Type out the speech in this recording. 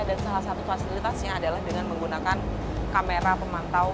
dan salah satu fasilitasnya adalah dengan menggunakan kamera pemantau